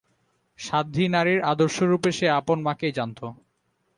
সাধ্বী নারীর আদর্শরূপে সে আপন মাকেই জানত।